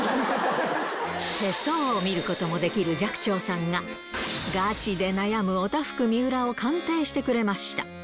手相を見ることもできる寂聴さんが、ガチで悩むおたふく水卜を鑑定してくれました。